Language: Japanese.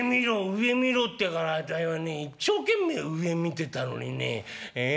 上見ろってからあたいはね一生懸命上見てたのにねええ？